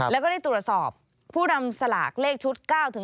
แล้วก็ได้ตรวจสอบผู้นำสลากเลขชุด๙๕